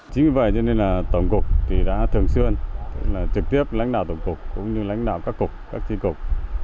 chính vì vậy cho nên là tổng cục thì đã thường xuyên tức là trực tiếp lãnh đạo tổng cục cũng như lãnh đạo các cục các chi cục